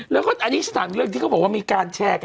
แล้วก็อันนี้ฉันถามเรื่องที่เขาบอกมีการแช่กัน